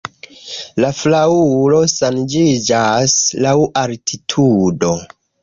La flaŭro ŝanĝiĝas laŭ altitudo.